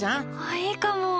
いいかも！